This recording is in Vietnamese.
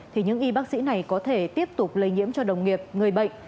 thì những y bác sĩ này có thể tiếp tục lây nhiễm cho đồng nghiệp người bệnh